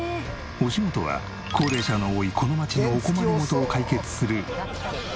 お仕事は高齢者の多いこの町のお困り事を解決する。